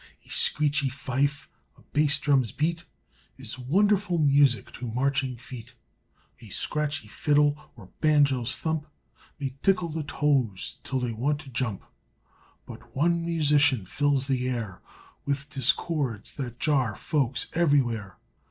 A screechy fife, a bass drum's beat Is wonderful music to marching feet; A scratchy fiddle or banjo's thump May tickle the toes till they want to jump. But one musician fills the air With discords that jar folks everywhere.